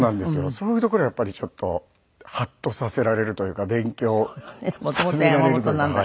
そういうところやっぱりちょっとハッとさせられるというか勉強させられるというか。